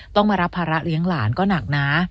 ต้องมารับภาระเลี้ยงหลานก็หนักนะ